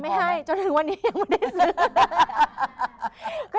ไม่ให้จนถึงวันนี้ยังไม่ได้ซื้อ